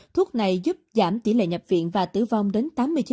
thuốc này giúp giảm tỷ lệ nhập viện và tử vong đến tám mươi chín